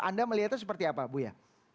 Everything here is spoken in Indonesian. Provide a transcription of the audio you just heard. anda melihatnya seperti apa buya